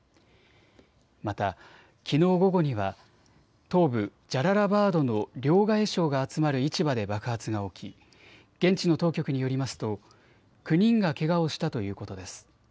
また、きのう午後には東部ジャララバードの両替商が集まる市場で爆発が起き現地の当局によりますと９人がけがをしたということです。